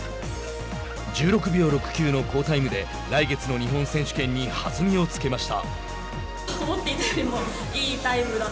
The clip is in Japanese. １６秒６９の好タイムで来月の日本選手権に弾みをつけました。